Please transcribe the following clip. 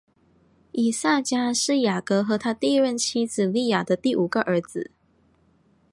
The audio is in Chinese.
以萨迦是雅各和他第一任妻子利亚的第五个儿子。